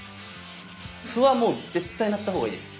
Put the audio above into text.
歩はもう絶対成った方がいいです。